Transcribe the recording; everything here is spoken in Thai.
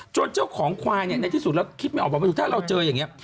เจ้าของควายเนี่ยในที่สุดแล้วคิดไม่ออกบอกว่าถ้าเราเจออย่างนี้